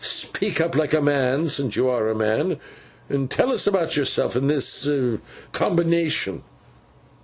'Speak up like a man, since you are a man, and tell us about yourself and this Combination.